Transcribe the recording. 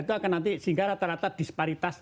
itu akan nanti sehingga rata rata disparitas